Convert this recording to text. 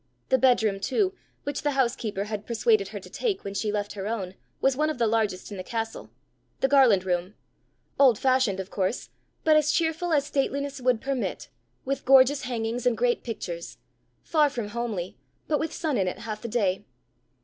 The bedroom too, which the housekeeper had persuaded her to take when she left her own, was one of the largest in the castle the Garland room old fashioned, of course, but as cheerful as stateliness would permit, with gorgeous hangings and great pictures far from homely, but with sun in it half the day.